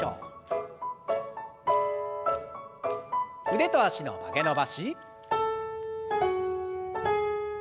腕と脚の曲げ伸ばし。